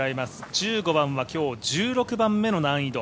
１５番は今日１６番目の難易度。